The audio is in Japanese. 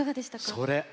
それ。